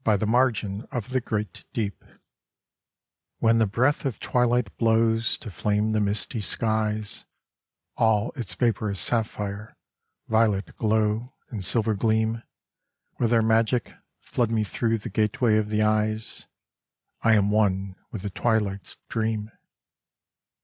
tfte JWaritt xrf tftt (Swat WHEN the breath of twilight blows to flame the misty skies, All its vaporous sapphire, violet glow and silver gleam, With their magic flood me through the gateway of the eyes; I am one with the twilight's dream.